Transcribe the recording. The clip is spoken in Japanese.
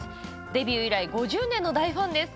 デビュー以来５０年の大ファンです。